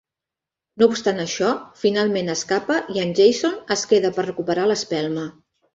No obstant això, finalment escapa i en Jason es queda per recuperar l'espelma.